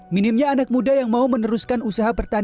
minimnya anak muda yang mau meneruskan usaha pertanian